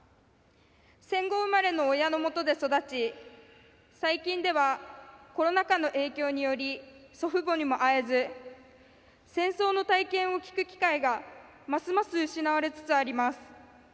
戦後生まれの親のもとで育ち最近ではコロナ禍の影響により祖父母にも会えず戦争の体験を聞く機会がますます失われつつあります。